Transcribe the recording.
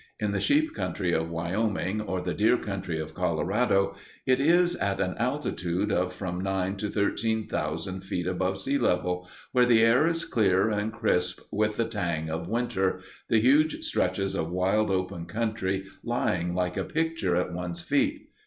In the sheep country of Wyoming or the deer country of Colorado it is at an altitude of from nine to thirteen thousand feet above sea level, where the air is clear and crisp with the tang of winter, the huge stretches of wild open country lying like a picture at one's feet.